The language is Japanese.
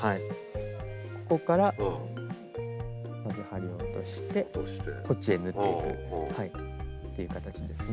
こっからまず針を落としてこっちへ縫っていくっていう形ですね。